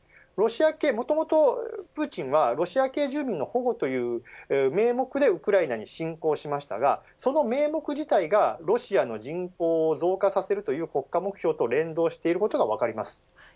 もともとプーチンはロシア系住民の保護という名目でウクライナに侵攻しましたがその名目自体が、ロシアの人口を増加させるという国家目標と連動していることが分かります。